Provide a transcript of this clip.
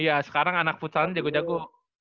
iya sekarang anak putranya jago jago